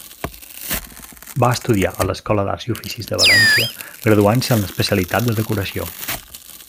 Va estudiar a l'Escola d'Arts i Oficis de València graduant-se en l'especialitat de Decoració.